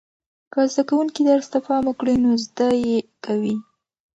که زده کوونکي درس ته پام وکړي نو زده یې کوي.